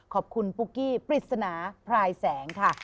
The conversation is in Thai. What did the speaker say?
ขอบคุณปุ๊กกี้ปริศนาพรายแสงค่ะ